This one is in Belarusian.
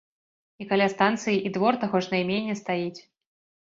А каля станцыі і двор таго ж наймення стаіць.